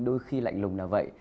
đôi khi lạnh lùng là vậy